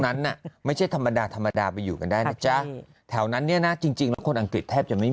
นั้นน่ะไม่ใช่ธรรมดาธรรมดาไปอยู่กันได้นะจ๊ะแถวนั้นเนี่ยนะจริงจริงแล้วคนอังกฤษแทบจะไม่มี